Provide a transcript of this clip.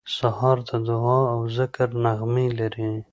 سهار د دعا او ذکر نغمې لري.